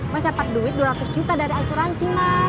mas dapat duit dua ratus juta dari asuransi mas